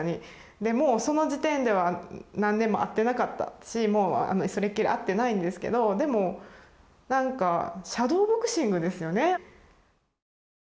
でもうその時点では何年も会ってなかったしもうそれっきり会ってないんですけどでもなんかシャドーボクシングですよね。